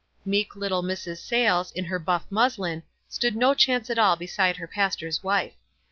Meek little Mrs. Sayles, in her buff muslin, stood no chance at all beside her pastor's wife.